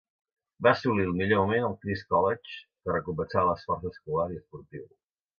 Va assolir el millor moment al Christ College, que recompensava l'esforç escolar i esportiu.